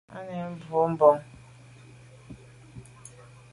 À nèn boa bon.